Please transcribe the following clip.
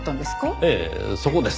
ええそこです。